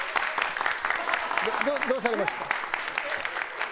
どうされました？